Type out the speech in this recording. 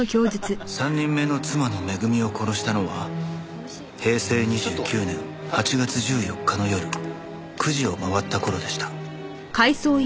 「３人目の妻のめぐみを殺したのは平成２９年８月１４日の夜９時を回った頃でした」